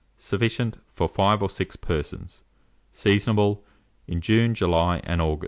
Sufficient for 5 or 6 persons. Seasonable in June, July, and August.